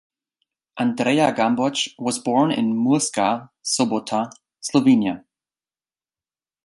Andreja Gomboc was born in Murska Sobota, Slovenia.